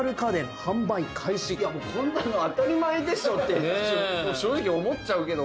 こんなの当たり前でしょと正直思っちゃうけど。